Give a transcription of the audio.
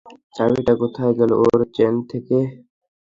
চাবিটা কোথায় পেলে, ওর চেন থেকে?